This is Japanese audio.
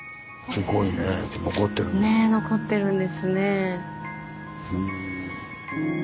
ね残ってるんですね。